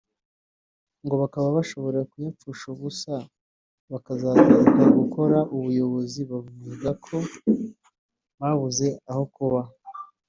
ngo bakaba bashobora kuyapfusha ubusa bakazagaruka kugora ubuyobozi bavuga ko babuze aho kuba